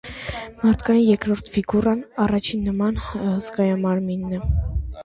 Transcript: Մարդկային երկրորդ ֆիգուրան առաջինի նման հսկայամարմին է։